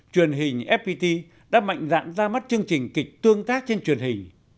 truyền hình fpt đã mạnh dạn ra mắt chương trình kịch tương tác trên truyền hình